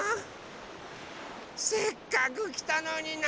せっかくきたのになあ。